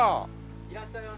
いらっしゃいませ。